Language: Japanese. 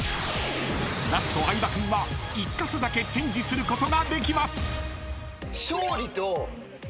［ラスト相葉君は１カ所だけチェンジすることができます］